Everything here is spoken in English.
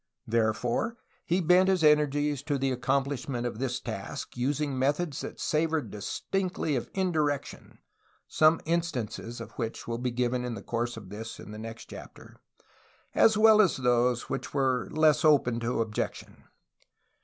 Therefore he bent his energies to the accomplishment of this task, using methods that savored distinctly of indirection (some instances of which will be given in the course of this and the next chapter) as well as those which were less open to objection.